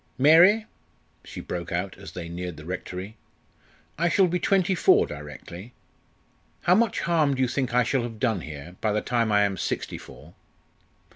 "Mary!" she broke out as they neared the Rectory, "I shall be twenty four directly. How much harm do you think I shall have done here by the time I am sixty four?"